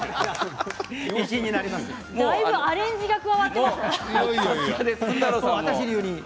だいぶアレンジが加わっていましたね。